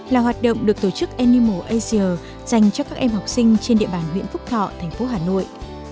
là hoạt động được tổ chức animal asia dành cho các em học sinh trên địa bàn huyện phúc thọ thành phố hà nội